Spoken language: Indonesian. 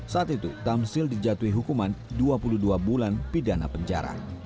saat itu tamsil dijatuhi hukuman dua puluh dua bulan pidana penjara